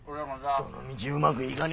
どのみちうまくいがねえ